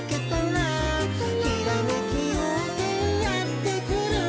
「ひらめきようせいやってくる」